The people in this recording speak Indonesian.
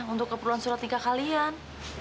untuk keperluan surat iga kalian